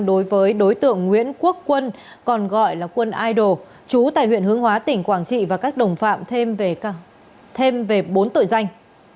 đối với đối tượng nguyễn quốc quân còn gọi là quân idol chú tại huyện hướng hóa tỉnh quảng trị và các đồng phạm thêm về bốn tội danh